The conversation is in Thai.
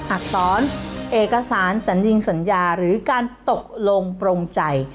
อักษรเอกสารสัญญิงสัญญาหรือการตกลงโปรงใจ